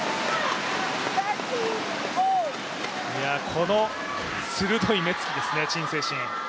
この鋭い目つきですね、陳清晨。